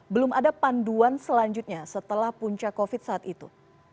belum ada panduan selanjutnya setelah puncak covid saat itu